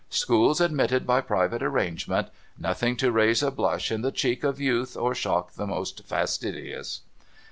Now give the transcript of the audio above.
Schools admitted by private arrangement. Nothing to raise a blush in the cheek of youth or shock the most fastidious.'